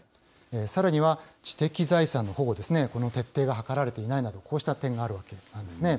さらには知的財産の保護ですね、この徹底が図られていないなど、こうした点があるわけなんですね。